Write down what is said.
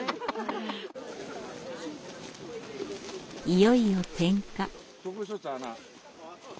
いよいよ点火。